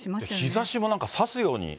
日ざしもなんかさすように。